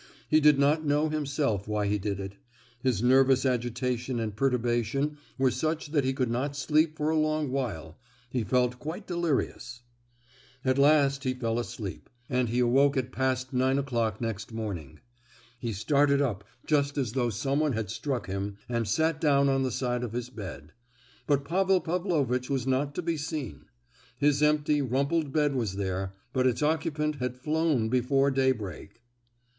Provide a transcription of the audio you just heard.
He did not know himself why he did it; his nervous agitation and perturbation were such that he could not sleep for a long while, he felt quite delirious. At last he fell asleep, and awoke at past nine o'clock next morning. He started up just as though someone had struck him, and sat down on the side of his bed. But Pavel Pavlovitch was not to be seen. His empty, rumpled bed was there, but its occupant had flown before daybreak.